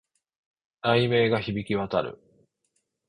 雷鳴が響き渡る